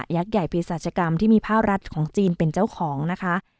ยักษ์ใหญ่พิสัชกรรมที่มีภาวรัฐของจีนเป็นเจ้าของนะคะ